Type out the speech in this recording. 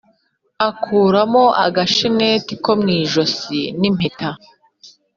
akuramo agasheneti ko mw’ijosi n’impeta